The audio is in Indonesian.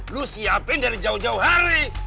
lu siapin dari jauh jauh hari